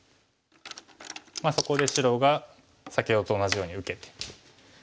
そこで白が先ほどと同じように受けて。